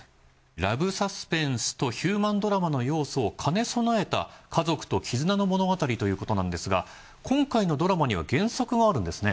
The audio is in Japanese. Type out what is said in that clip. ラブサスペンスとヒューマンドラマの要素を兼ね備えた家族と絆の物語ということなんですが今回のドラマには原作があるんですね。